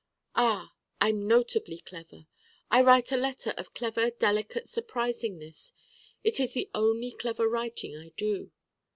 Ah, I'm notably Clever! I write a letter of Clever delicate surprisingness it is the only Clever writing I do.